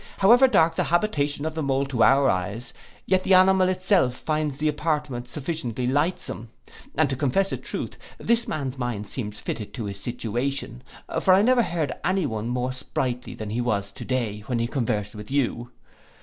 However dark the habitation of the mole to our eyes, yet the animal itself finds the apartment sufficiently lightsome. And to confess a truth, this man's mind seems fitted to his station; for I never heard any one more sprightly than he was to day, when he conversed with you.